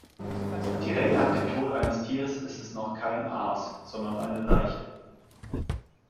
Direkt nach dem Tod eines Tieres ist es noch kein Aas, sondern eine Leiche.